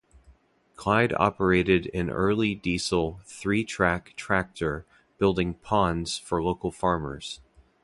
Clyde operated an early diesel three-track tractor building ponds for local farmers.